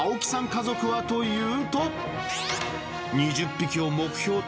家族はというと。